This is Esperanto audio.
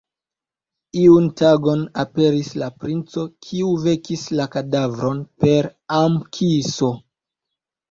Iun tagon aperis la Princo, kiu vekis la kadavron per am-kiso.